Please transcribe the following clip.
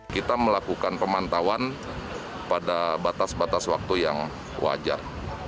kita melakukan pemantauan pada batas batas waktu yang wajar